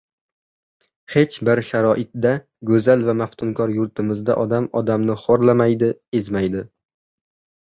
hech bir sharoitda go‘zal va maftunkor yurtimizda odam odamni xo‘rlamaydi, ezmaydi